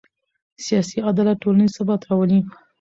سیاسي عدالت ټولنیز ثبات راولي